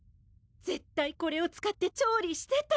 絶対これを使って調理してた！